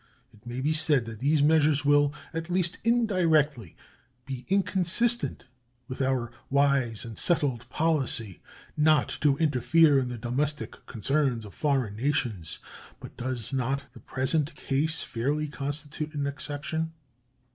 It may be said that these measures will, at least indirectly, be inconsistent with our wise and settled policy not to interfere in the domestic concerns of foreign nations. But does not the present case fairly constitute an exception?